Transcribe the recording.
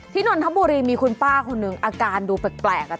นนทบุรีมีคุณป้าคนหนึ่งอาการดูแปลกอ่ะ